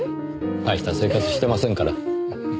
たいした生活してませんから。